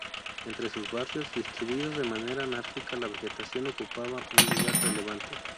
Entre sus barrios, distribuidos de manera anárquica, la vegetación ocupa un lugar relevante.